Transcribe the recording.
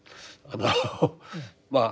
あのまあ